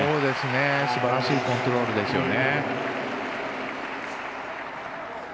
すばらしいコントロールですよね。